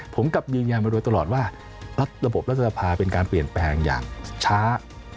ผมกลับยืนยันมาโดยตลอดว่ารัฐระบบรัฐสภาเป็นการเปลี่ยนแปลงอย่างช้า